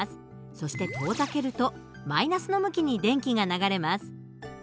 そして遠ざけると−の向きに電気が流れます。